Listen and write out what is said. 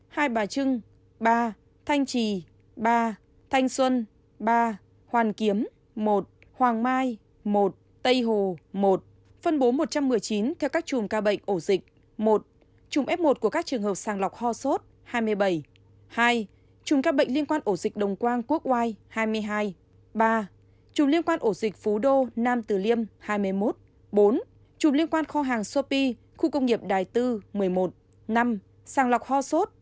hai bà trưng ba thanh trì ba thanh xuân ba hoàn kiếm một hoàng mai một tây hồ một phân bố một trăm một mươi chín theo các chùm ca bệnh ổ dịch một chùm f một của các trường hợp sàng lọc ho sốt hai mươi bảy hai chùm ca bệnh liên quan ổ dịch đồng quang quốc y hai mươi hai ba chùm liên quan ổ dịch phú đô nam từ liêm hai mươi một bốn chùm liên quan kho hàng sopi khu công nghiệp đài tư một mươi một năm sàng lọc ho sốt